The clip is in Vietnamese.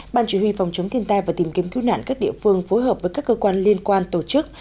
ban chỉ huy phòng chống thiên tai và tìm kiếm cứu nạn các địa phương phối hợp với các cơ quan liên quan tổ chức